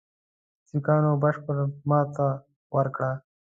سیکهانو بشپړه ماته وکړه.